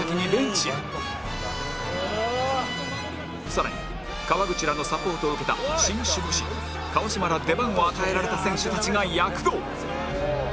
更に川口らのサポートを受けた新守護神川島ら出番を与えられた選手たちが躍動